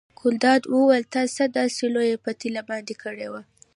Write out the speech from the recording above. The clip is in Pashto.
ګلداد وویل تا څه داسې لویه پتیله باندې کړې وه.